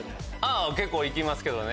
あ結構行きますけどね。